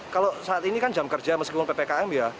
kalau saat ini kan jam kerja meskipun ppkm ya